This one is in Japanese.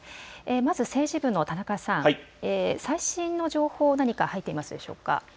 まず政治部の田中さん、最新の情報、何か入っていますでしょうか。